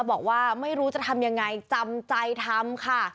บอกว่าไม่รู้จะทำยังไงจำใจทำค่ะ